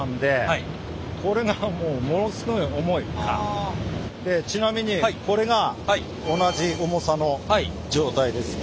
あれちなみにこれが同じ重さの状態です。